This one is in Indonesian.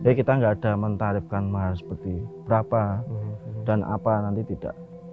jadi kita tidak ada mentarifkan mahar seperti berapa dan apa nanti tidak